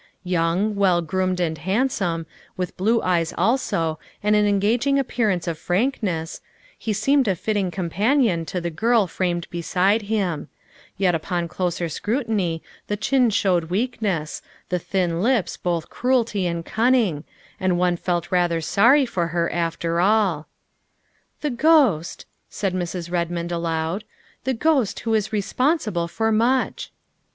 Young, well groomed, and handsome, with blue eyes also and an THE SECRETARY OP STATE 155 engaging appearance of frankness, he seemed a fitting companion to the girl framed beside him; yet upon closer scrutiny the chin showed weakness, the thin lips both cruelty and cunning, and one felt rather sorry for her, after all. " The ghost," said Mrs. Redmond aloud, " the ghost who is responsible for much."